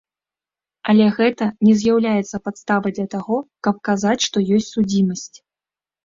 Але гэта не з'яўляецца падставай для таго, каб казаць, што ёсць судзімасць.